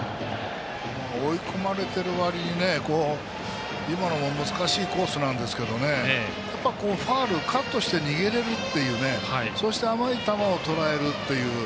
追い込まれてる割に今のも難しいコースなんですけどファウル、カットして逃げれるというねそうして、甘い球をとらえるっていう。